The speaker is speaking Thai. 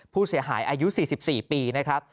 ผู้เสียหายอายุ๔๔ปีนะครับ